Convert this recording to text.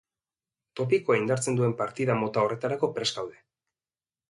Topikoa indartzen duen partida mota horretarako prest gaude.